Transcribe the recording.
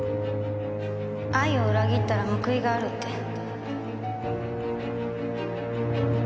愛を裏切ったら報いがあるって。